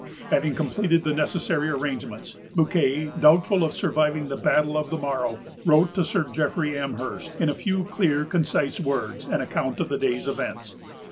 Having completed the necessary arrangements, Bouquet, doubtful of surviving the battle of the morrow, wrote to Sir Jeffrey Amherst, in a few clear, concise words, an account of the day's events.